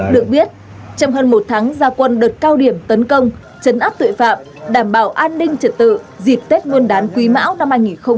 được biết trong hơn một tháng gia quân đợt cao điểm tấn công chấn áp tội phạm đảm bảo an ninh trật tự dịp tết nguyên đán quý mão năm hai nghìn hai mươi